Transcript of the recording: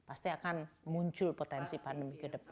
pasti akan muncul potensi pandemi ke depan